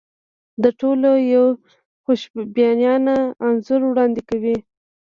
دا ټول یو خوشبینانه انځور وړاندې کوي.